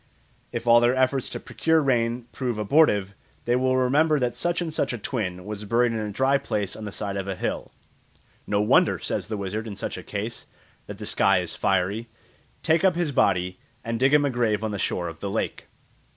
If all their efforts to procure rain prove abortive, they will remember that such and such a twin was buried in a dry place on the side of a hill. "No wonder," says the wizard in such a case, "that the sky is fiery. Take up his body and dig him a grave on the shore of the lake."